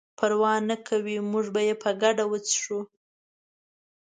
پروا نه کوي موږ به یې په ګډه وڅښو.